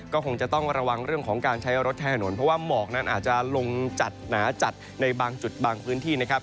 ก็คงจะต้องระวังเรื่องของการใช้รถแทนถนนเพราะว่าหมอกนั้นอาจจะลงจัดหนาจัดในบางจุดบางพื้นที่นะครับ